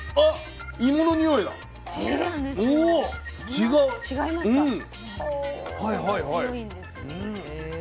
違いますか？